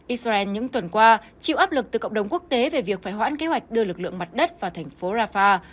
israel những tuần qua chịu áp lực từ cộng đồng quốc tế về việc phải hoãn kế hoạch đưa lực lượng mặt đất vào thành phố rafah